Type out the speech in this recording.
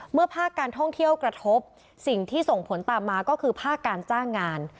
เมื่อภาคการท่องเที่ยวกระทบสิ่งที่ส่งผลตามมาก็คือภาคการจ้างงาน